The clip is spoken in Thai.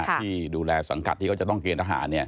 ที่ดูแลสังกัดที่เขาจะต้องเกณฑหาร